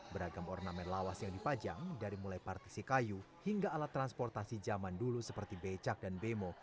beragam ornamen lawas yang dipajang dari mulai partisi kayu hingga alat transportasi zaman dulu seperti becak dan bemo